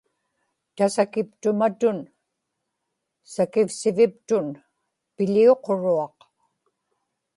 tasakiptumatun sakivsiviptun piḷiuquruaq